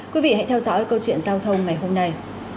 quý vị hãy theo dõi câu chuyện giao thông ngày hôm nay